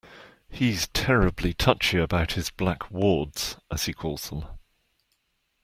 He's terribly touchy about his black wards, as he calls them.